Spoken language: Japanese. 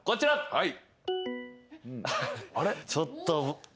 はい。